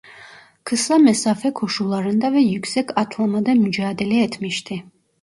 Kısa mesafe koşularında ve yüksek atlamada mücadele etmişti.